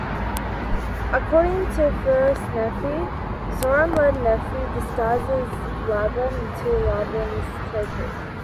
According to "First Nephi", Zoram led Nephi, disguised as Laban, into Laban's treasury.